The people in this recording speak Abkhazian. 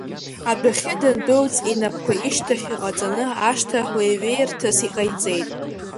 Адәахьы дандәылҵ, инапқәа ишьҭахь иҟаҵаны, ашҭа леиҩеирҭас иҟаиҵеит.